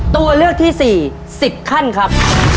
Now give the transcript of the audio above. ตัวเลือกที่๔๐ขั้นครับ